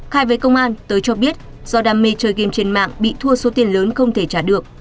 khai với công an tới cho biết do đam mê chơi game trên mạng bị thua số tiền lớn không thể trả được